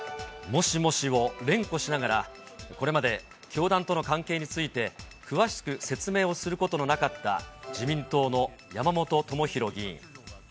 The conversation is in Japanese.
もしもしを連呼しながら、これまで教団との関係について、詳しく説明をすることのなかった自民党の山本朋広議員。